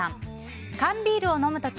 缶ビールを飲む時